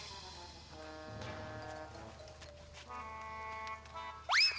uh ini buat kau